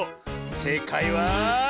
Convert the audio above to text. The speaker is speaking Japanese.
せいかいは。